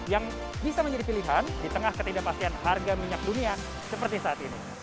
yang bisa menjadi pilihan di tengah ketidakpastian harga minyak dunia seperti saat ini